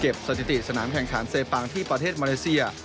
สถิติสนามแข่งขันเซปังที่ประเทศมาเลเซีย